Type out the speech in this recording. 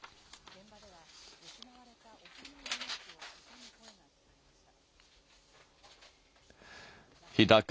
現場では、失われた幼い命を悼む声が聞かれました。